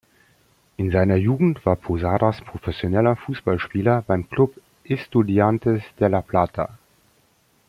In seiner Jugend war Posadas professioneller Fußballspieler beim Club Estudiantes de La Plata.